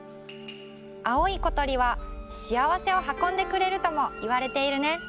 青いことりはしあわせをはこんでくれるともいわれているね。